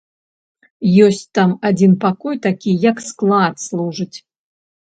Ёсць там адзін пакой такі, як склад служыць.